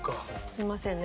すいませんね